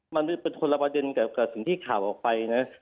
มันเป็นคนละประเด็นกับสิ่งที่ข่าวออกไปนะ